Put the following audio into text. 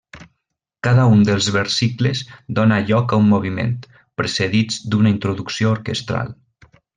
Cada un dels versicles dóna lloc a un moviment, precedits d'una introducció orquestral.